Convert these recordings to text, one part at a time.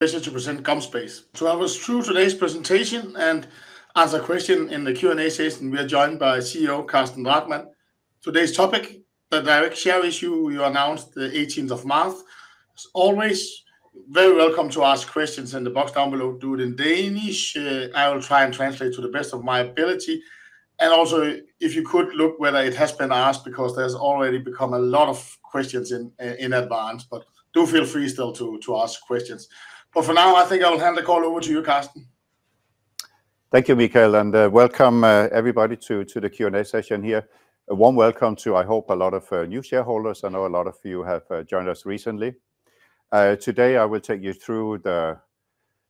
Listeners to present GomSpace. I will go through today's presentation and answer questions in the Q&A session. We are joined by CEO Carsten Drachmann. Today's topic, the direct share issue you announced the 18th of March. As always, very welcome to ask questions in the box down below. Do it in Danish. I will try and translate to the best of my ability. Also, if you could, look whether it has been asked because there has already become a lot of questions in advance. Do feel free still to ask questions. For now, I think I will hand the call over to you, Carsten. Thank you, Michael, and welcome everybody to the Q&A session here. A warm welcome to, I hope, a lot of new shareholders. I know a lot of you have joined us recently. Today, I will take you through the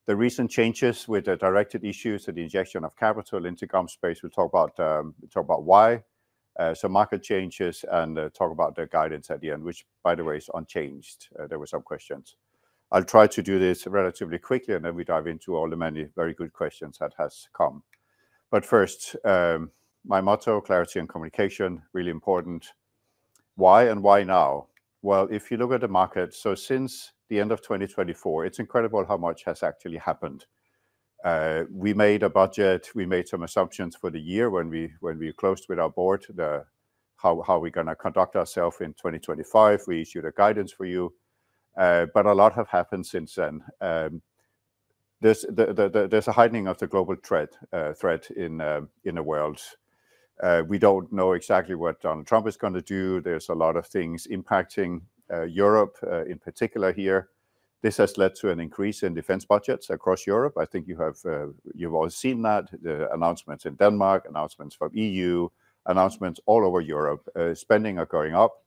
recent changes with the directed issues and the injection of capital into GomSpace. We'll talk about why, some market changes, and talk about the guidance at the end, which, by the way, is unchanged. There were some questions. I'll try to do this relatively quickly, and then we dive into all the many very good questions that have come. First, my motto, clarity and communication, really important. Why and why now? If you look at the market, since the end of 2024, it's incredible how much has actually happened. We made a budget. We made some assumptions for the year when we closed with our board, how we're going to conduct ourselves in 2025. We issued a guidance for you. A lot has happened since then. There's a heightening of the global threat in the world. We don't know exactly what Donald Trump is going to do. There's a lot of things impacting Europe, in particular here. This has led to an increase in defense budgets across Europe. I think you've all seen that, the announcements in Denmark, announcements from the EU, announcements all over Europe. Spending are going up,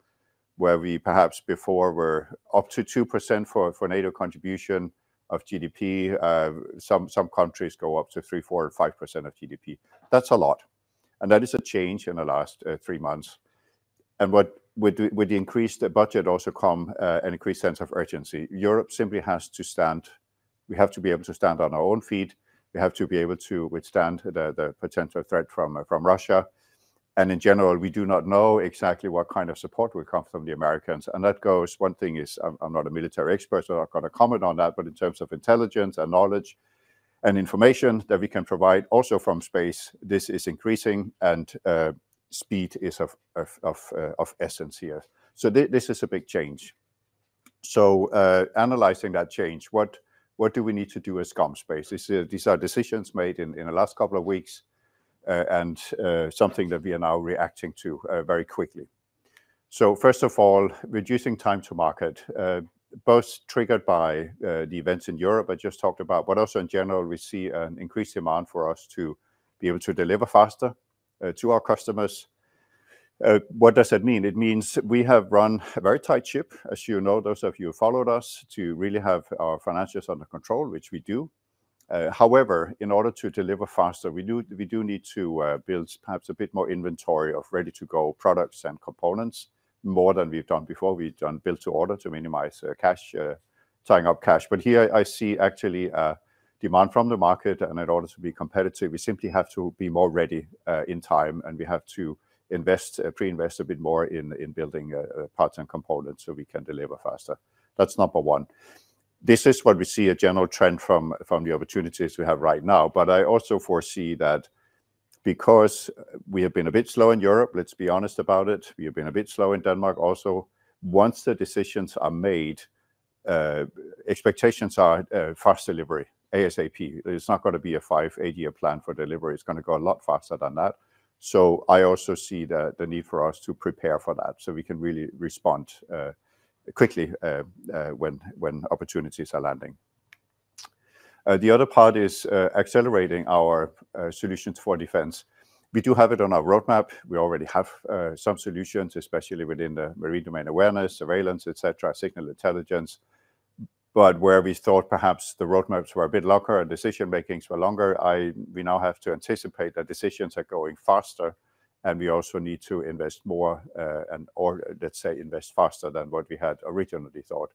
where we perhaps before were up to 2% for NATO contribution of GDP. Some countries go up to 3%, 4%, or 5% of GDP. That's a lot. That is a change in the last 3 months. With the increased budget also come an increased sense of urgency. Europe simply has to stand. We have to be able to stand on our own feet. We have to be able to withstand the potential threat from Russia. In general, we do not know exactly what kind of support will come from the Americans. One thing is, I'm not a military expert, so I'm not going to comment on that. In terms of intelligence and knowledge and information that we can provide also from space, this is increasing. Speed is of essence here. This is a big change. Analyzing that change, what do we need to do as GomSpace? These are decisions made in the last couple of weeks and something that we are now reacting to very quickly. First of all, reducing time to market, both triggered by the events in Europe I just talked about, but also in general, we see an increased demand for us to be able to deliver faster to our customers. What does that mean? It means we have run a very tight ship, as you know, those of you who followed us, to really have our finances under control, which we do. However, in order to deliver faster, we do need to build perhaps a bit more inventory of ready-to-go products and components, more than we've done before. We've done build-to-order to minimize cash, tying up cash. Here, I see actually a demand from the market. In order to be competitive, we simply have to be more ready in time. We have to pre-invest a bit more in building parts and components so we can deliver faster. That's number one. This is what we see, a general trend from the opportunities we have right now. I also foresee that because we have been a bit slow in Europe, let's be honest about it, we have been a bit slow in Denmark also. Once the decisions are made, expectations are fast delivery, ASAP. There's not going to be a five- to eight-year plan for delivery. It's going to go a lot faster than that. I also see the need for us to prepare for that so we can really respond quickly when opportunities are landing. The other part is accelerating our solutions for defense. We do have it on our roadmap. We already have some solutions, especially within the marine domain awareness, surveillance, et cetera, signal intelligence. Where we thought perhaps the roadmaps were a bit longer and decision-makings were longer, we now have to anticipate that decisions are going faster. We also need to invest more and, let's say, invest faster than what we had originally thought.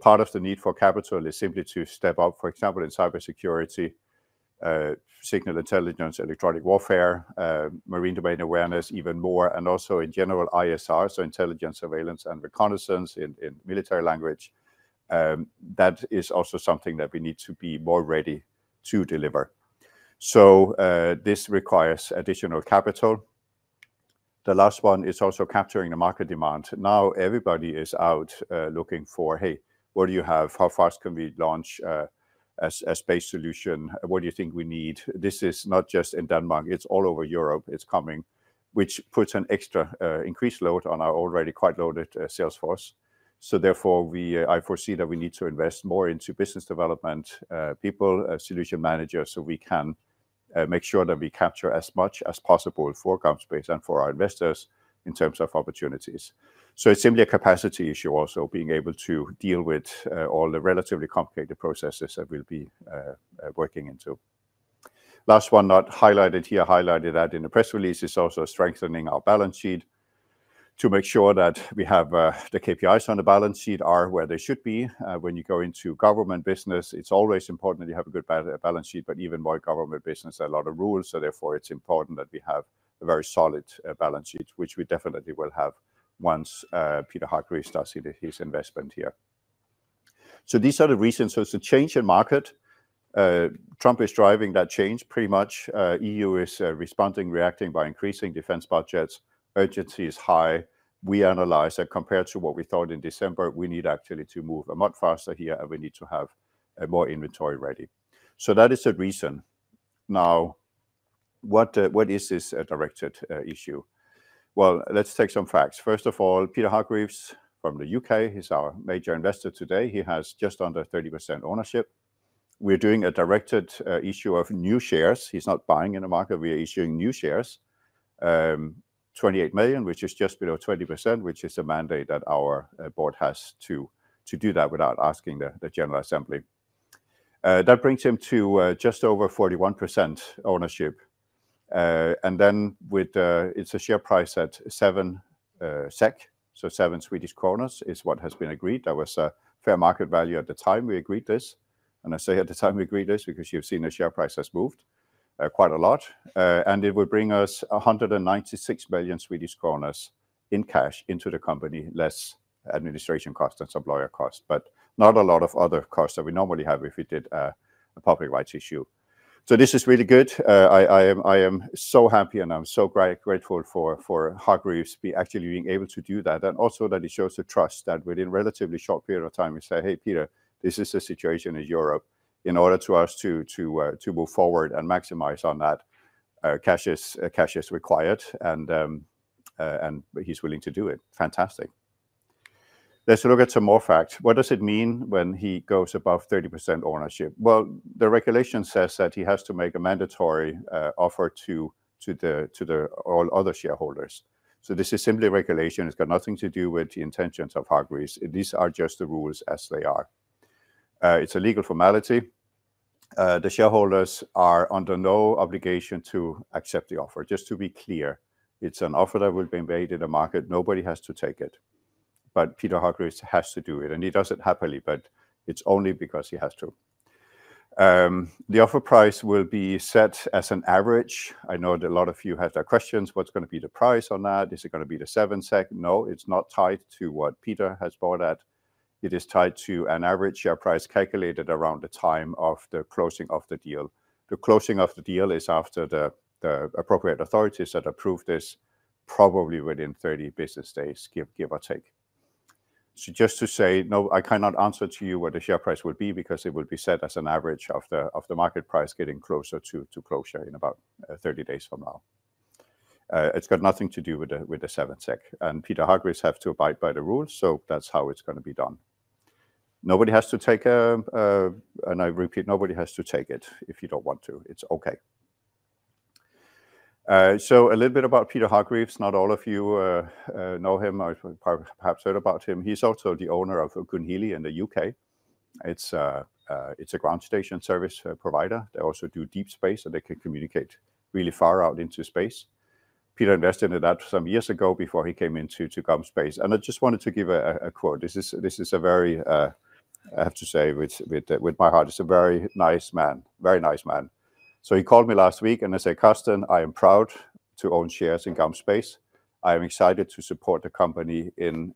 Part of the need for capital is simply to step up, for example, in cybersecurity, signal intelligence, electronic warfare, marine domain awareness even more, and also in general, ISR, so intelligence, surveillance, and reconnaissance in military language. That is also something that we need to be more ready to deliver. This requires additional capital. The last one is also capturing the market demand. Now everybody is out looking for, hey, what do you have? How fast can we launch a space solution? What do you think we need? This is not just in Denmark. It's all over Europe. It's coming, which puts an extra increased load on our already quite loaded sales force. Therefore, I foresee that we need to invest more into business development, people, solution managers, so we can make sure that we capture as much as possible for GomSpace and for our investors in terms of opportunities. It's simply a capacity issue, also being able to deal with all the relatively complicated processes that we'll be working into. Last one not highlighted here, highlighted that in the press release, it's also strengthening our balance sheet to make sure that we have the KPIs on the balance sheet are where they should be. When you go into government business, it's always important that you have a good balance sheet. Even while government business, there are a lot of rules. Therefore, it's important that we have a very solid balance sheet, which we definitely will have once Peter Hargreaves starts his investment here. These are the reasons. It's a change in market. Trump is driving that change pretty much. The EU is responding, reacting by increasing defense budgets. Urgency is high. We analyze that compared to what we thought in December, we need actually to move a lot faster here, and we need to have more inventory ready. That is the reason. Now, what is this directed issue? Let's take some facts. First of all, Peter Hargreaves from the U.K., he's our major investor today. He has just under 30% ownership. We're doing a directed issue of new shares. He's not buying in the market. We are issuing new shares, 28 million, which is just below 20%, which is a mandate that our board has to do that without asking the General Assembly. That brings him to just over 41% ownership. It is a share price at 7 SEK, so 7 Swedish kronors, is what has been agreed. That was a fair market value at the time we agreed this. I say at the time we agreed this because you have seen the share price has moved quite a lot. It will bring us 196 million Swedish kronor in cash into the company, less administration costs and some lawyer costs, but not a lot of other costs that we normally have if we did a public rights issue. This is really good. I am so happy, and I am so grateful for Hargreaves actually being able to do that. It also shows the trust that within a relatively short period of time, we say, hey, Peter, this is the situation in Europe in order for us to move forward and maximize on that. Cash is required, and he's willing to do it. Fantastic. Let's look at some more facts. What does it mean when he goes above 30% ownership? The regulation says that he has to make a mandatory offer to all other shareholders. This is simply regulation. It's got nothing to do with the intentions of Hargreaves. These are just the rules as they are. It's a legal formality. The shareholders are under no obligation to accept the offer. Just to be clear, it's an offer that will be made in the market. Nobody has to take it. Peter Hargreaves has to do it. He does it happily, but it's only because he has to. The offer price will be set as an average. I know that a lot of you had questions. What's going to be the price on that? Is it going to be the 7 SEK? No, it's not tied to what Peter has bought at. It is tied to an average share price calculated around the time of the closing of the deal. The closing of the deal is after the appropriate authorities that approve this, probably within 30 business days, give or take. Just to say, no, I cannot answer to you what the share price will be because it will be set as an average of the market price getting closer to closure in about 30 days from now. It's got nothing to do with the 7 SEK. Peter Hargreaves has to abide by the rules. That is how it is going to be done. Nobody has to take a, and I repeat, nobody has to take it if you do not want to. It is OK. A little bit about Peter Hargreaves. Not all of you know him. I have perhaps heard about him. He is also the owner of Goonhilly in the U.K. It is a ground station service provider. They also do deep space, and they can communicate really far out into space. Peter invested in that some years ago before he came into GomSpace. I just wanted to give a quote. This is a very, I have to say, with my heart, he is a very nice man, very nice man. He called me last week, and I said, "Carsten, I am proud to own shares in GomSpace. I am excited to support the company in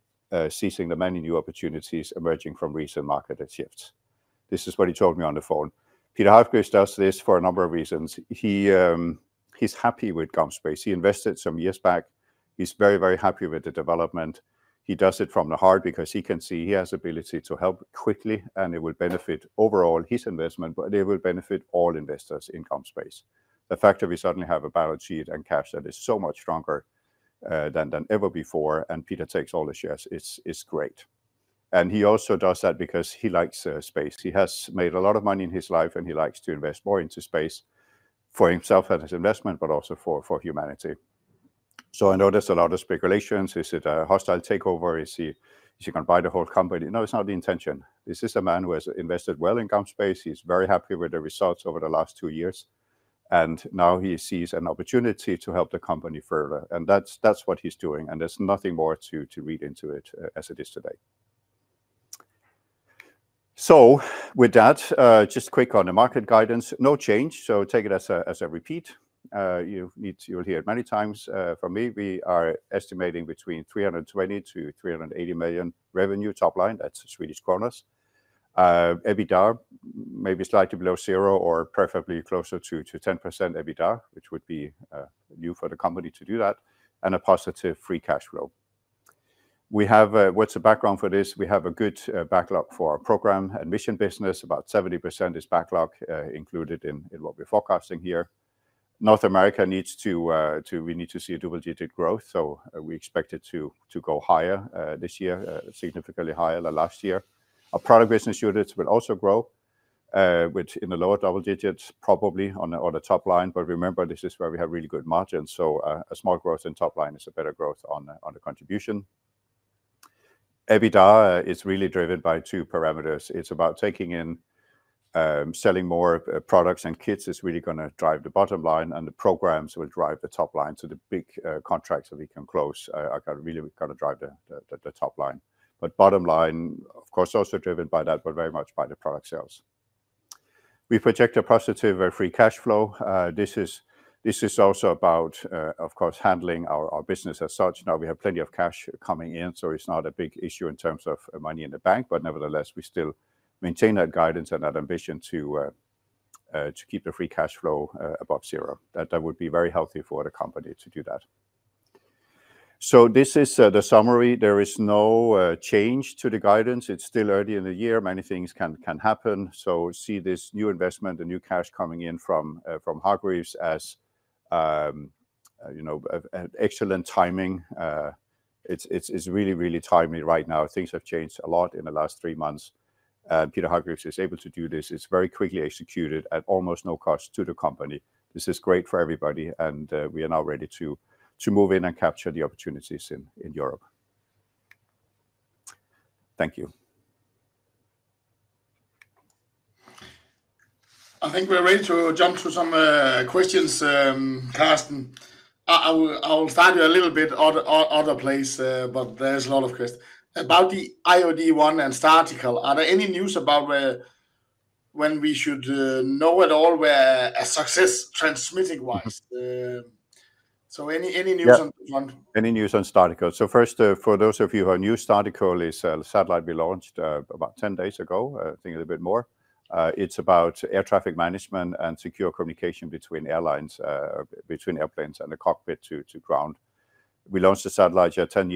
seizing the many new opportunities emerging from recent market shifts. This is what he told me on the phone. Peter Hargreaves does this for a number of reasons. He's happy with GomSpace. He invested some years back. He's very, very happy with the development. He does it from the heart because he can see he has the ability to help quickly, and it will benefit overall his investment, but it will benefit all investors in GomSpace. The fact that we suddenly have a balance sheet and cash that is so much stronger than ever before, and Peter takes all the shares, it's great. He also does that because he likes space. He has made a lot of money in his life, and he likes to invest more into space for himself and his investment, but also for humanity. I know there's a lot of speculations. Is it a hostile takeover? Is he going to buy the whole company? No, it's not the intention. This is a man who has invested well in GomSpace. He's very happy with the results over the last two years. Now he sees an opportunity to help the company further. That's what he's doing. There's nothing more to read into it as it is today. With that, just quick on the market guidance, no change. Take it as a repeat. You'll hear it many times. For me, we are estimating between 320 million-380 million revenue top line. That's Swedish kronors. EBITDA may be slightly below zero or preferably closer to 10% EBITDA, which would be new for the company to do that, and a positive free cash flow. What's the background for this? We have a good backlog for our program and mission business. About 70% is backlog included in what we're forecasting here. North America needs to, we need to see a double-digit growth. We expect it to go higher this year, significantly higher than last year. Our product business units will also grow in the lower double digits, probably on the top line. Remember, this is where we have really good margins. A small growth in top line is a better growth on the contribution. EBITDA is really driven by two parameters. It's about taking in, selling more products and kits is really going to drive the bottom line. The programs will drive the top line. The big contracts that we can close are really going to drive the top line. Bottom line, of course, also driven by that, but very much by the product sales. We project a positive free cash flow. This is also about, of course, handling our business as such. Now we have plenty of cash coming in. It's not a big issue in terms of money in the bank. Nevertheless, we still maintain that guidance and that ambition to keep the free cash flow above zero. That would be very healthy for the company to do that. This is the summary. There is no change to the guidance. It's still early in the year. Many things can happen. See this new investment, the new cash coming in from Hargreaves as excellent timing. It's really, really timely right now. Things have changed a lot in the last three months. Peter Hargreaves is able to do this. It's very quickly executed at almost no cost to the company. This is great for everybody. We are now ready to move in and capture the opportunities in Europe. Thank you. I think we're ready to jump to some questions, Carsten. I will start you a little bit out of place, but there's a lot of questions about the IoT one and Startical. Are there any news about when we should know at all where a success transmitting wise? Any news on Startical? Any news on Startical? First, for those of you who are new, Startical is a satellite we launched about 10 days ago, I think a little bit more. It's about air traffic management and secure communication between airlines, between airplanes and the cockpit to ground. We launched the satellite 10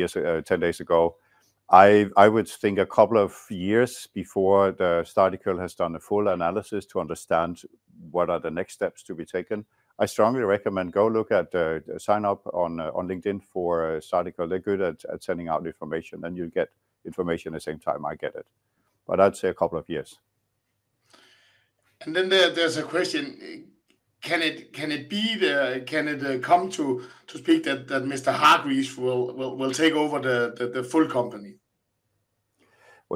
days ago. I would think a couple of years before Startical has done a full analysis to understand what are the next steps to be taken. I strongly recommend go look at, sign up on LinkedIn for Startical. They're good at sending out information. You will get information at the same time I get it. I'd say a couple of years. There is a question. Can it be, can it come to speak that Mr. Hargreaves will take over the full company?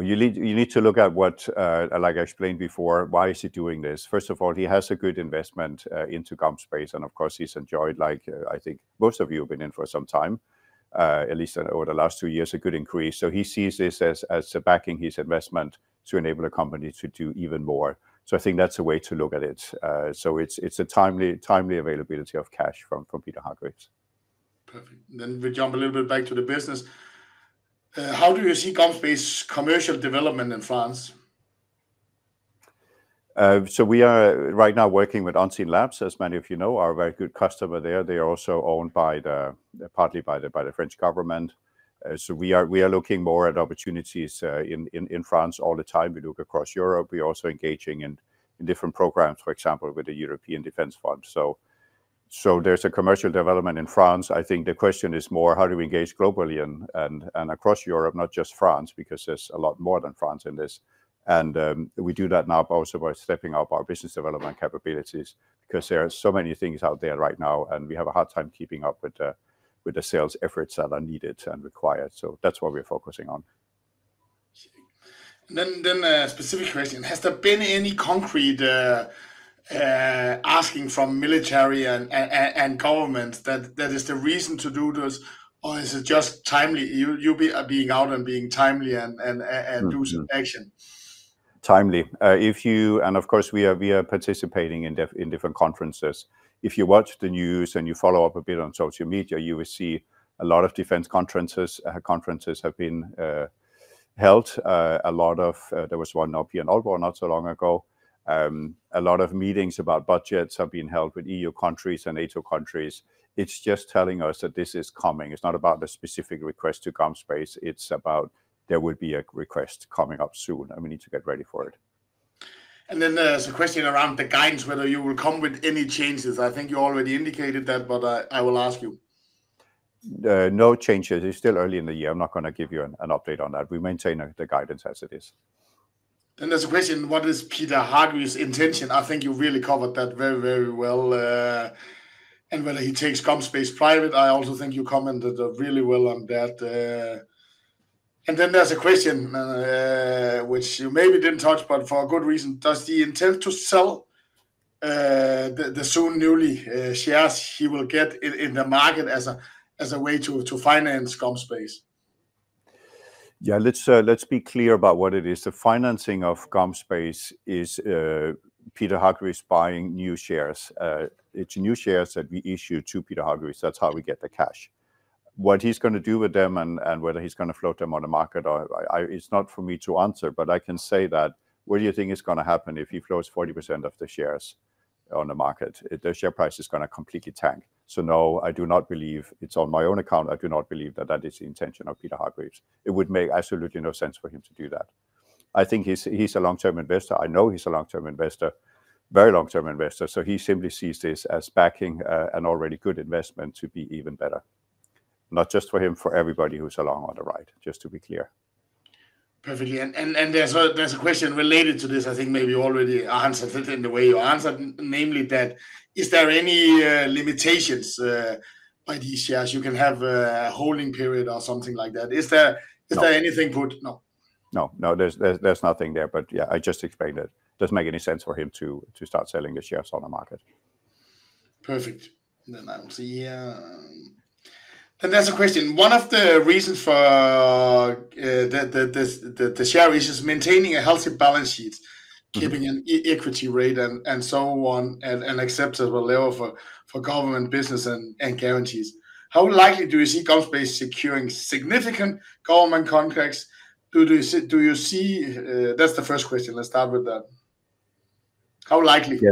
You need to look at what, like I explained before, why is he doing this? First of all, he has a good investment into GomSpace. Of course, he's enjoyed, like I think most of you have been in for some time, at least over the last two years, a good increase. He sees this as backing his investment to enable a company to do even more. I think that's a way to look at it. It's a timely availability of cash from Peter Hargreaves. Perfect. We jump a little bit back to the business. How do you see GomSpace's commercial development in France? We are right now working with Unseenlabs, as many of you know, our very good customer there. They are also owned partly by the French government. We are looking more at opportunities in France all the time. We look across Europe. We're also engaging in different programs, for example, with the European Defense Fund. There's a commercial development in France. I think the question is more, how do we engage globally and across Europe, not just France, because there's a lot more than France in this. We do that now also by stepping up our business development capabilities because there are so many things out there right now. We have a hard time keeping up with the sales efforts that are needed and required. That is what we're focusing on. A specific question: Has there been any concrete asking from military and government that is the reason to do this, or is it just timely? You'll be out and being timely and do some action. Timely. Of course, we are participating in different conferences. If you watch the news and you follow up a bit on social media, you will see a lot of defense conferences have been held. There was one up here in Aalborg not so long ago. A lot of meetings about budgets have been held with EU countries and NATO countries. It's just telling us that this is coming. It's not about the specific request to GomSpace. It's about there will be a request coming up soon, and we need to get ready for it. There is a question around the guidance, whether you will come with any changes. I think you already indicated that, but I will ask you. No changes. It's still early in the year. I'm not going to give you an update on that. We maintain the guidance as it is. There is a question, what is Peter Hargreaves' intention? I think you really covered that very, very well. Whether he takes GomSpace private, I also think you commented really well on that. There is a question, which you maybe didn't touch, but for a good reason. Does he intend to sell the soon newly shares he will get in the market as a way to finance GomSpace? Yeah, let's be clear about what it is. The financing of GomSpace is Peter Hargreaves buying new shares. It's new shares that we issue to Peter Hargreaves. That's how we get the cash. What he's going to do with them and whether he's going to float them on the market, it's not for me to answer, but I can say that what do you think is going to happen if he floats 40% of the shares on the market? The share price is going to completely tank. No, I do not believe it's on my own account. I do not believe that that is the intention of Peter Hargreaves. It would make absolutely no sense for him to do that. I think he's a long-term investor. I know he's a long-term investor, very long-term investor. He simply sees this as backing an already good investment to be even better, not just for him, for everybody who's along on the ride, just to be clear. Perfect. There's a question related to this. I think maybe you already answered it in the way you answered, namely that is there any limitations by these shares? You can have a holding period or something like that. Is there anything put? No. No, no, there's nothing there. I just explained it. It doesn't make any sense for him to start selling the shares on the market. Perfect. I will see. There's a question. One of the reasons for the share issue is maintaining a healthy balance sheet, keeping an equity rate and so on, and acceptable level for government business and guarantees. How likely do you see GomSpace securing significant government contracts? Do you see? That's the first question. Let's start with that. How likely? Yeah.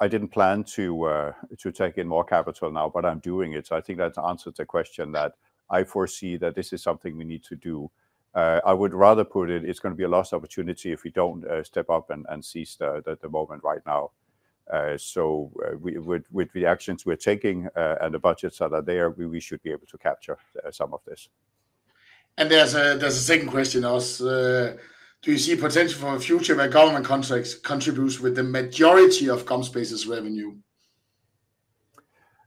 I didn't plan to take in more capital now, but I'm doing it. I think that answers the question that I foresee that this is something we need to do. I would rather put it, it's going to be a lost opportunity if we don't step up and seize the moment right now. With the actions we're taking and the budgets that are there, we should be able to capture some of this. There's a second question. Do you see potential for a future where government contracts contribute with the majority of GomSpace's revenue?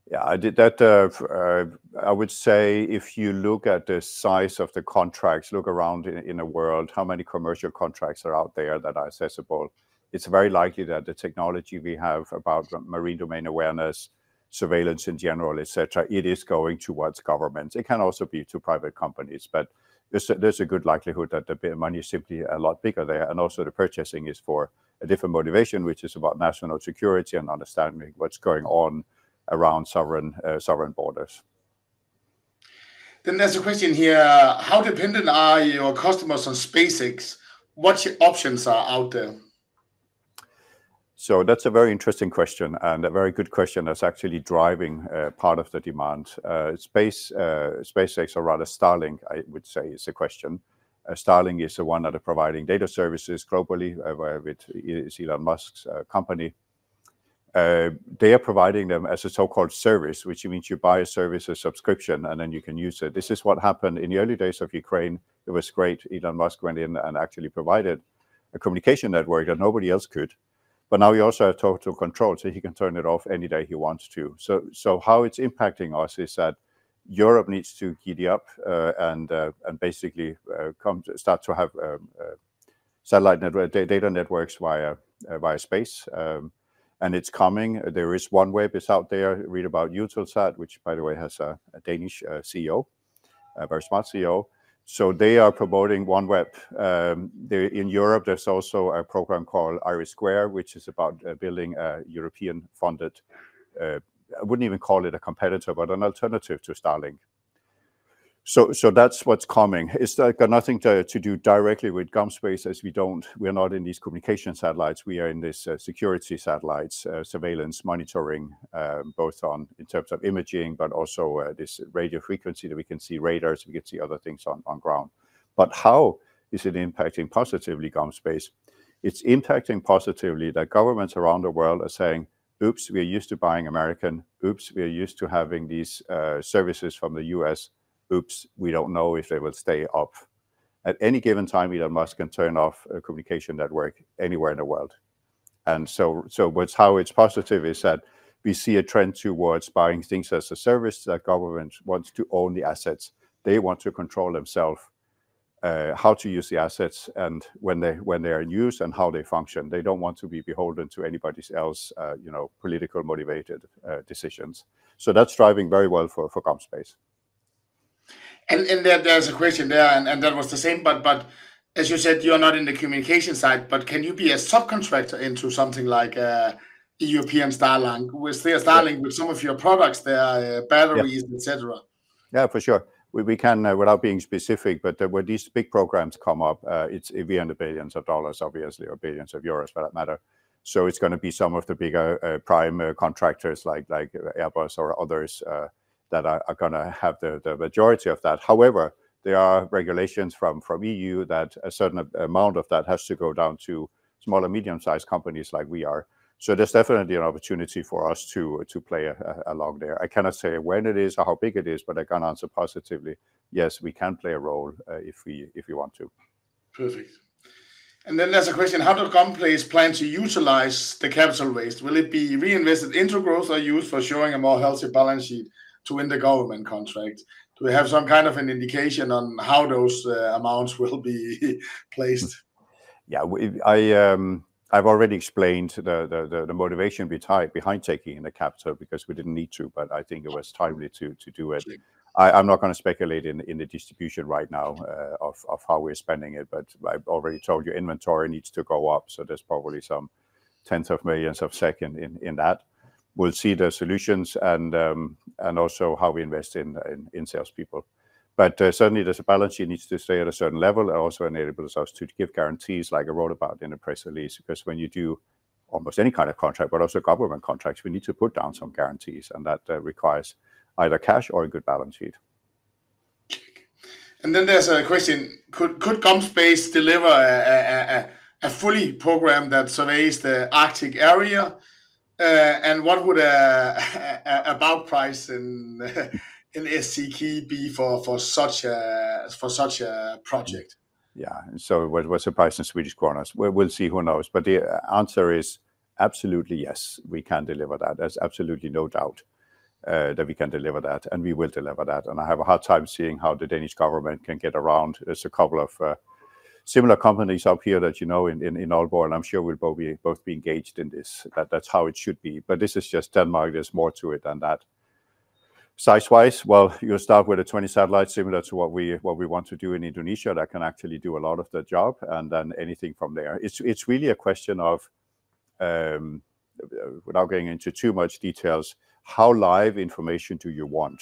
Yeah, I did that. I would say if you look at the size of the contracts, look around in the world, how many commercial contracts are out there that are accessible? It's very likely that the technology we have about marine domain awareness, surveillance in general, et cetera, it is going towards governments. It can also be to private companies, but there's a good likelihood that the money is simply a lot bigger there. Also the purchasing is for a different motivation, which is about national security and understanding what's going on around sovereign borders. There is a question here. How dependent are your customers on SpaceX? What options are out there? That is a very interesting question and a very good question that's actually driving part of the demand. SpaceX, or rather Starlink, I would say is the question. Starlink is the one that is providing data services globally, where it is Elon Musk's company. They are providing them as a so-called service, which means you buy a service, a subscription, and then you can use it. This is what happened in the early days of Ukraine. It was great. Elon Musk went in and actually provided a communication network that nobody else could. Now we also have total control, so he can turn it off any day he wants to. How it's impacting us is that Europe needs to giddy up and basically start to have satellite data networks via space. It is coming. There is OneWeb out there. Read about Eutelsat, which by the way has a Danish CEO, a very smart CEO. They are promoting OneWeb. In Europe, there's also a program called IRIS², which is about building a European-funded, I wouldn't even call it a competitor, but an alternative to Starlink. That's what's coming. It's got nothing to do directly with GomSpace as we don't, we're not in these communication satellites. We are in these security satellites, surveillance, monitoring, both in terms of imaging, but also this radio frequency that we can see radars, we can see other things on ground. How is it impacting positively GomSpace? It's impacting positively that governments around the world are saying, oops, we're used to buying American. Oops, we're used to having these services from the U.S. Oops, we don't know if they will stay up. At any given time, Elon Musk can turn off a communication network anywhere in the world. How it's positive is that we see a trend towards buying things as a service that government wants to own the assets. They want to control themselves, how to use the assets and when they are in use and how they function. They don't want to be beholden to anybody else's politically motivated decisions. That is driving very well for GomSpace. There's a question there, and that was the same, but as you said, you're not in the communication side, but can you be a subcontractor into something like a European Starlink? We'll see a Starlink with some of your products there, batteries, et cetera. Yeah, for sure. We can, without being specific, but when these big programs come up, it's even the billions of dollars, obviously, or billions of euros for that matter. It's going to be some of the bigger prime contractors like Airbus or others that are going to have the majority of that. However, there are regulations from the EU that a certain amount of that has to go down to small and medium-sized companies like we are. There's definitely an opportunity for us to play along there. I cannot say when it is or how big it is, but I can answer positively. Yes, we can play a role if we want to. Perfect. There's a question. How do companies plan to utilize the capital raised? Will it be reinvested into growth or used for showing a more healthy balance sheet to win the government contract? Do we have some kind of an indication on how those amounts will be placed? Yeah, I've already explained the motivation behind taking the capital because we didn't need to, but I think it was timely to do it. I'm not going to speculate in the distribution right now of how we're spending it, but I've already told you inventory needs to go up, so there's probably some tens of millions of SEK in that. We'll see the solutions and also how we invest in salespeople. Certainly, there's a balance sheet that needs to stay at a certain level and also enables us to give guarantees like a roadmap in a press release because when you do almost any kind of contract, but also government contracts, we need to put down some guarantees, and that requires either cash or a good balance sheet. There is a question. Could GomSpace deliver a fully programmed that surveys the Arctic area? What would an about price in SEK be for such a project? Yeah, so what's the price in Swedish kronors? We'll see, who knows. The answer is absolutely yes. We can deliver that. There's absolutely no doubt that we can deliver that, and we will deliver that. I have a hard time seeing how the Danish government can get around. There's a couple of similar companies up here that you know in Aalborg, and I'm sure we'll both be engaged in this. That's how it should be. This is just Denmark. There's more to it than that. Size-wise, you'll start with 20 satellites similar to what we want to do in Indonesia that can actually do a lot of the job, and then anything from there. It's really a question of, without getting into too much details, how live information do you want?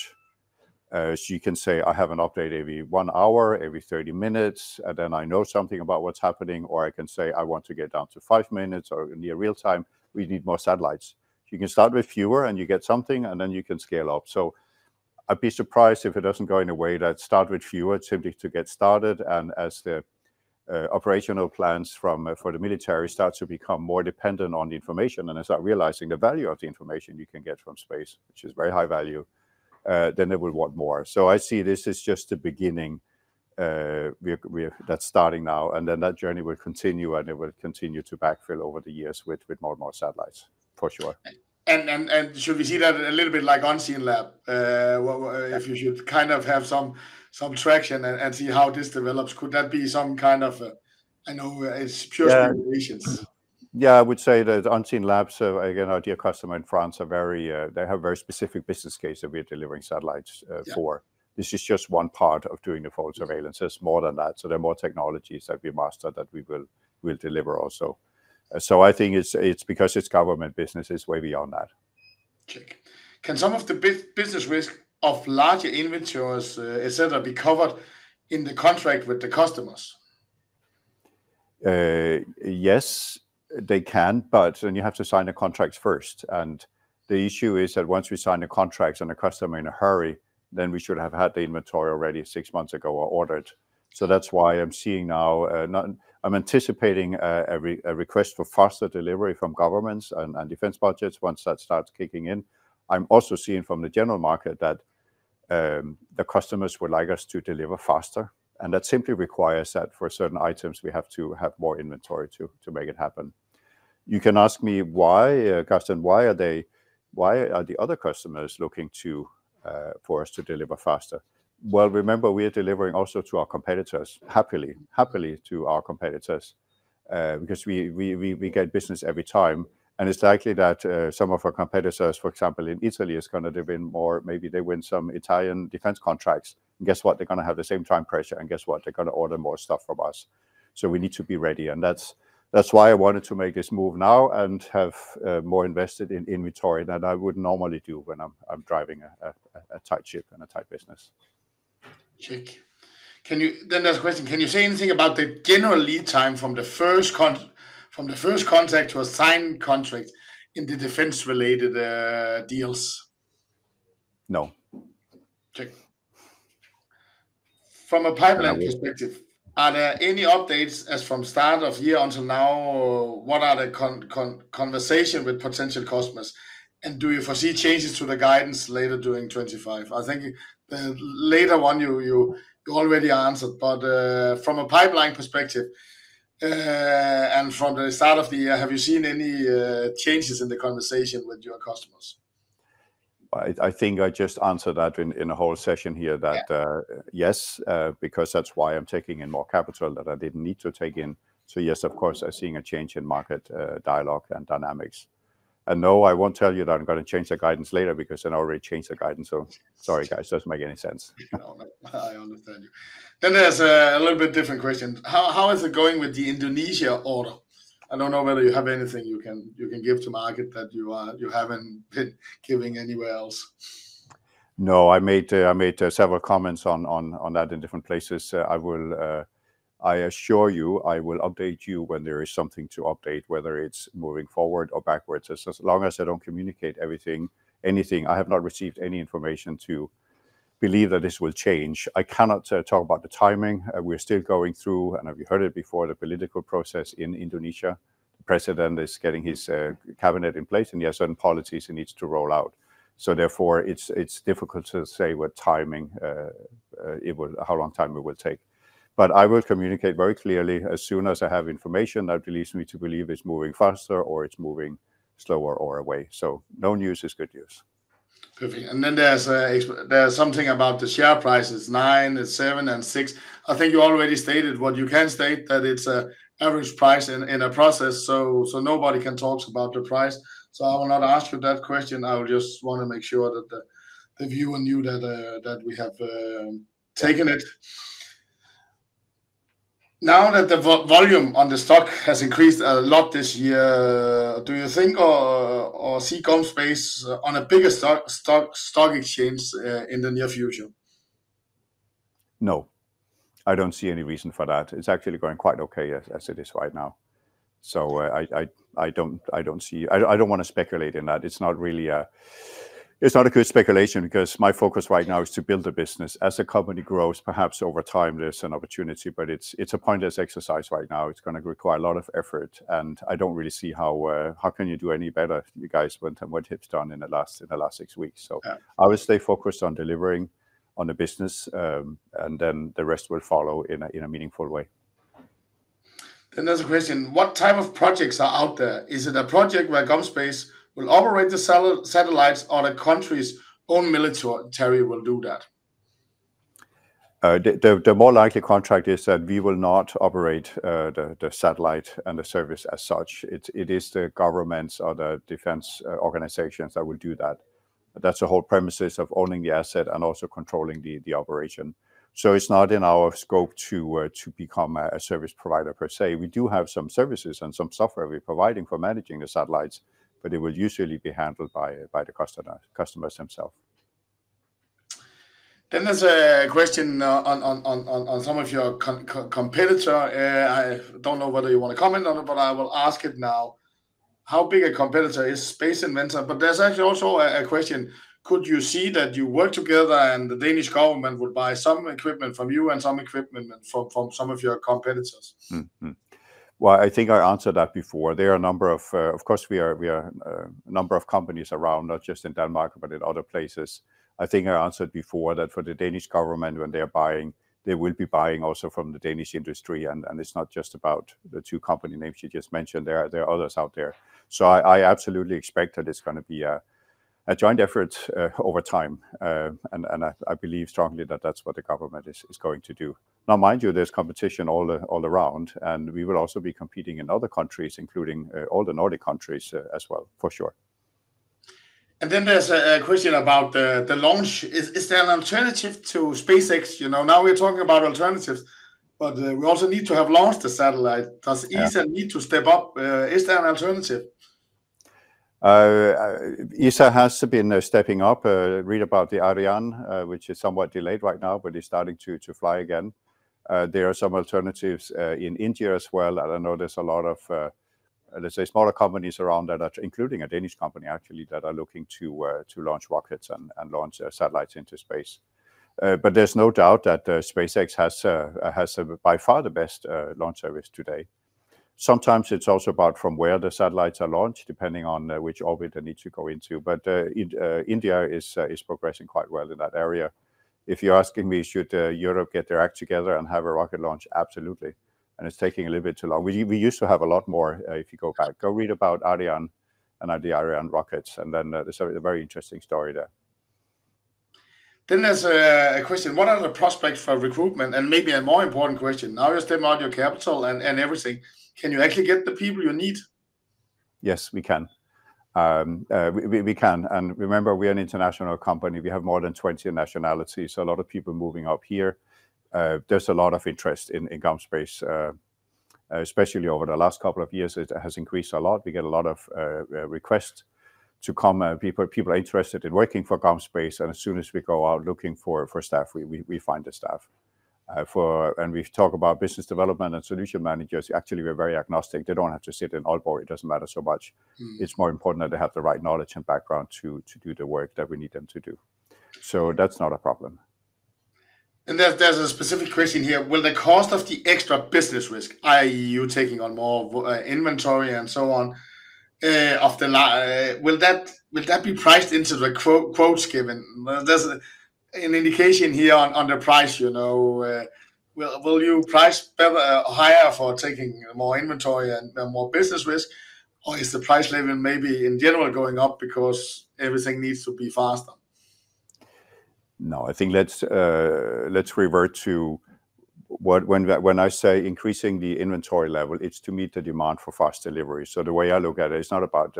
You can say, I have an update every one hour, every 30 minutes, and then I know something about what's happening, or I can say, I want to get down to five minutes or near real-time. We need more satellites. You can start with fewer and you get something, and then you can scale up. I'd be surprised if it doesn't go in a way that start with fewer, simply to get started, and as the operational plans for the military start to become more dependent on the information, and as I'm realizing the value of the information you can get from space, which is very high value, then they will want more. I see this is just the beginning that's starting now, and that journey will continue, and it will continue to backfill over the years with more and more satellites, for sure. Should we see that a little bit like Unseenlabs? If you should kind of have some traction and see how this develops, could that be some kind of, I know it's pure speculations. Yeah, I would say that Unseenlabs, again, our dear customer in France, they have a very specific business case that we're delivering satellites for. This is just one part of doing the full surveillance. There's more than that. There are more technologies that we master that we will deliver also. I think it's because it's government business, it's way beyond that. Can some of the business risk of larger inventories, et cetera, be covered in the contract with the customers? Yes, they can, but then you have to sign the contracts first. The issue is that once we sign the contracts and the customer is in a hurry, then we should have had the inventory already six months ago or ordered. That is why I am seeing now, I am anticipating a request for faster delivery from governments and defense budgets once that starts kicking in. I am also seeing from the general market that the customers would like us to deliver faster, and that simply requires that for certain items, we have to have more inventory to make it happen. You can ask me why, Gaston, why are the other customers looking for us to deliver faster? Remember, we are delivering also to our competitors, happily, happily to our competitors because we get business every time. It is likely that some of our competitors, for example, in Italy, are going to be more, maybe they win some Italian defense contracts. Guess what? They're going to have the same time pressure, and guess what? They're going to order more stuff from us. We need to be ready. That's why I wanted to make this move now and have more invested in inventory than I would normally do when I'm driving a tight ship and a tight business. There's a question. Can you say anything about the general lead time from the first contract to a signed contract in the defense-related deals? No. From a pipeline perspective, are there any updates as from start of year until now? What are the conversations with potential customers? Do you foresee changes to the guidance later during 2025? I think the later one you already answered, but from a pipeline perspective and from the start of the year, have you seen any changes in the conversation with your customers? I think I just answered that in a whole session here that yes, because that's why I'm taking in more capital that I didn't need to take in. Yes, of course, I'm seeing a change in market dialogue and dynamics. No, I won't tell you that I'm going to change the guidance later because I already changed the guidance. Sorry, guys, doesn't make any sense. I understand you. There is a little bit different question. How is it going with the Indonesia order? I don't know whether you have anything you can give to market that you haven't been giving anywhere else. No, I made several comments on that in different places. I assure you, I will update you when there is something to update, whether it's moving forward or backwards. As long as I don't communicate anything, I have not received any information to believe that this will change. I cannot talk about the timing. We're still going through, and have you heard it before, the political process in Indonesia. The president is getting his cabinet in place, and he has certain policies he needs to roll out. Therefore, it's difficult to say what timing, how long time it will take. I will communicate very clearly as soon as I have information that leads me to believe it's moving faster or it's moving slower or away. No news is good news. Perfect. Then there's something about the share prices, nine, seven, and six. I think you already stated what you can state, that it's an average price in a process, so nobody can talk about the price. I will not ask you that question. I will just want to make sure that the viewer knew that we have taken it. Now that the volume on the stock has increased a lot this year, do you think or see GomSpace on a bigger stock exchange in the near future? No, I don't see any reason for that. It's actually going quite okay as it is right now. I don't see, I don't want to speculate in that. It's not a good speculation because my focus right now is to build a business. As the company grows, perhaps over time, there's an opportunity, but it's a pointless exercise right now. It's going to require a lot of effort, and I don't really see how can you do any better, you guys, what it's done in the last six weeks. I will stay focused on delivering on the business, and then the rest will follow in a meaningful way. There is a question. What type of projects are out there? Is it a project where GomSpace will operate the satellites or the country's own military will do that? The more likely contract is that we will not operate the satellite and the service as such. It is the governments or the defense organizations that will do that. That is the whole premise of owning the asset and also controlling the operation. It is not in our scope to become a service provider per se. We do have some services and some software we are providing for managing the satellites, but it will usually be handled by the customers themselves. There is a question on some of your competitor. I don't know whether you want to comment on it, but I will ask it now. How big a competitor is Space Inventor? There's actually also a question. Could you see that you work together and the Danish government would buy some equipment from you and some equipment from some of your competitors? I think I answered that before. There are a number of, of course, we are a number of companies around, not just in Denmark, but in other places. I think I answered before that for the Danish government, when they're buying, they will be buying also from the Danish industry, and it's not just about the two company names you just mentioned. There are others out there. I absolutely expect that it's going to be a joint effort over time, and I believe strongly that that's what the government is going to do. Now, mind you, there's competition all around, and we will also be competing in other countries, including all the Nordic countries as well, for sure. There is a question about the launch. Is there an alternative to SpaceX? Now we're talking about alternatives, but we also need to have launched the satellite. Does ESA need to step up? Is there an alternative? ESA has been stepping up. Read about the Ariane, which is somewhat delayed right now, but it's starting to fly again. There are some alternatives in India as well. I know there's a lot of, let's say, smaller companies around that, including a Danish company actually, that are looking to launch rockets and launch satellites into space. There is no doubt that SpaceX has by far the best launch service today. Sometimes it's also about from where the satellites are launched, depending on which orbit they need to go into. India is progressing quite well in that area. If you're asking me, should Europe get their act together and have a rocket launch? Absolutely. It's taking a little bit too long. We used to have a lot more. If you go back, go read about Ariane and the Ariane rockets, there's a very interesting story there. There's a question. What are the prospects for recruitment? Maybe a more important question. Now you're stepping out your capital and everything. Can you actually get the people you need? Yes, we can. We can. Remember, we are an international company. We have more than 20 nationalities, so a lot of people moving up here. There's a lot of interest in GomSpace, especially over the last couple of years. It has increased a lot. We get a lot of requests to come. People are interested in working for GomSpace, and as soon as we go out looking for staff, we find the staff. We talk about business development and solution managers. Actually, we're very agnostic. They don't have to sit in Aalborg. It doesn't matter so much. It's more important that they have the right knowledge and background to do the work that we need them to do. That's not a problem. There's a specific question here. Will the cost of the extra business risk, i.e., you taking on more inventory and so on, will that be priced into the quotes given? There's an indication here on the price. Will you price higher for taking more inventory and more business risk, or is the price level maybe in general going up because everything needs to be faster? No, I think let's revert to when I say increasing the inventory level, it's to meet the demand for fast delivery. The way I look at it, it's not about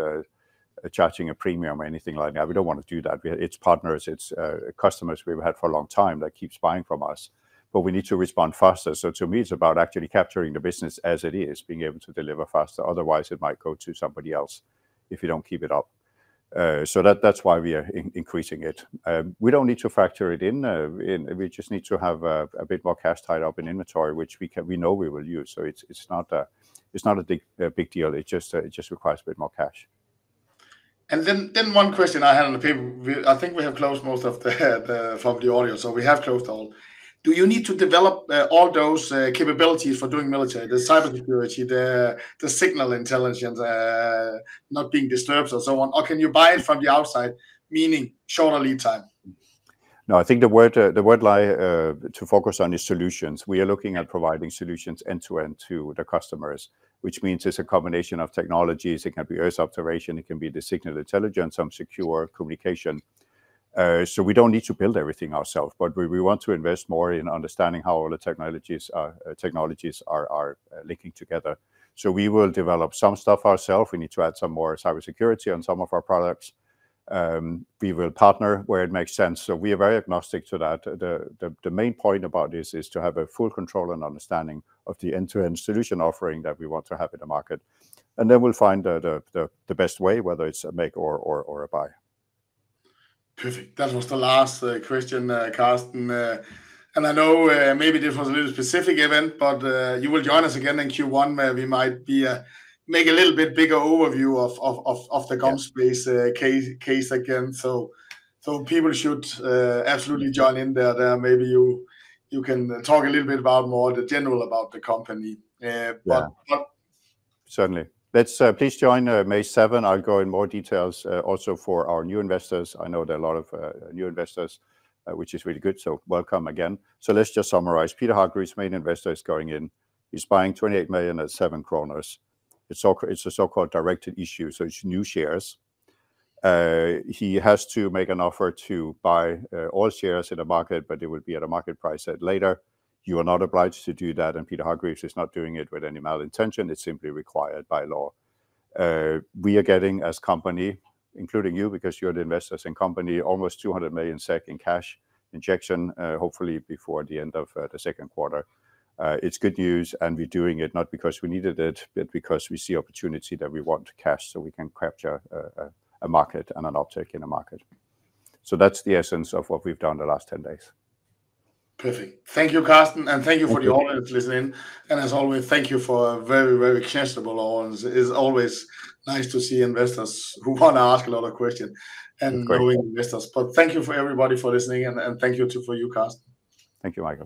charging a premium or anything like that. We don't want to do that. It's partners, it's customers we've had for a long time that keep buying from us. We need to respond faster. To me, it's about actually capturing the business as it is, being able to deliver faster. Otherwise, it might go to somebody else if you don't keep it up. That's why we are increasing it. We don't need to factor it in. We just need to have a bit more cash tied up in inventory, which we know we will use. It is not a big deal. It just requires a bit more cash. One question I had on the paper. I think we have closed most of the audio, so we have closed all. Do you need to develop all those capabilities for doing military, the cybersecurity, the signal intelligence, not being disturbed or so on, or can you buy it from the outside, meaning shorter lead time? No, I think the word I like to focus on is solutions. We are looking at providing solutions end-to-end to the customers, which means it is a combination of technologies. It can be Earth observation. It can be the signal intelligence, some secure communication. We do not need to build everything ourselves, but we want to invest more in understanding how all the technologies are linking together. We will develop some stuff ourselves. We need to add some more cybersecurity on some of our products. We will partner where it makes sense. We are very agnostic to that. The main point about this is to have full control and understanding of the end-to-end solution offering that we want to have in the market. We will find the best way, whether it is a make or a buy. Perfect. That was the last question, Gaston. I know maybe this was a little specific event, but you will join us again in Q1 where we might make a little bit bigger overview of the GomSpace case again. People should absolutely join in there. Maybe you can talk a little bit about more of the general about the company. Certainly. Please join May 7. I'll go in more details also for our new investors. I know there are a lot of new investors, which is really good. Welcome again. Let's just summarize. Peter Hargreaves, main investor, is going in. He's buying 28 million at 7 kronor. It's a so-called directed issue, so it's new shares. He has to make an offer to buy all shares in the market, but it will be at a market price later. You are not obliged to do that. Peter Hargreaves is not doing it with any malintention. It's simply required by law. We are getting, as company, including you, because you're the investors in company, almost 200 million SEK in cash injection, hopefully before the end of the second quarter. It's good news, and we're doing it not because we needed it, but because we see opportunity that we want to cash so we can capture a market and an uptake in a market. That's the essence of what we've done the last 10 days. Perfect. Thank you, Carsten, and thank you for the audience listening. As always, thank you for a very, very questionable audience. It's always nice to see investors who want to ask a lot of questions and growing investors. Thank you for everybody for listening, and thank you for you, Carsten. Thank you, Michael.